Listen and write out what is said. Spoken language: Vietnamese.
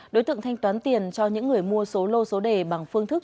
đối tượng thanh toán tiền cho những người mua số lô số đề bằng phương thức